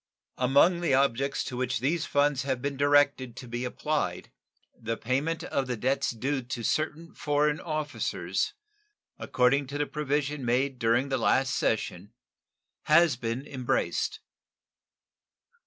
Among the objects to which these funds have been directed to be applied, the payment of the debts due to certain foreign officers, according to the provision made during the last session, has been embraced.